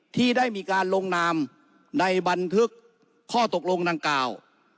ที่ได้มีการลงนามในบันทึกข้อตกลงดังกล่าว